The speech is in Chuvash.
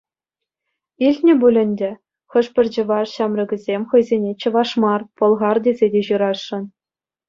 Илтнӗ пуль ӗнтӗ, хӑшпӗр чӑваш ҫамрӑкӗсем хӑйсене чӑваш мар, пӑлхар тесе те ҫырасшӑн.